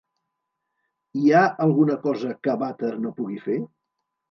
Hi ha alguna cosa que Bata no pugui fer?